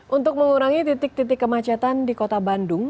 untuk mengurangi titik titik kemacetan di kota bandung